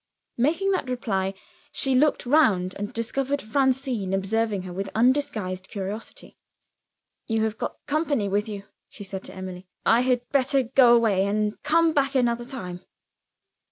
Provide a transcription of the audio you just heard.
Making that reply, she looked round, and discovered Francine observing her with undisguised curiosity. "You have got company with you," she said to Emily. "I had better go away, and come back another time."